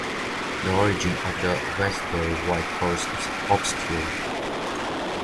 The origin of the Westbury White Horse is obscure.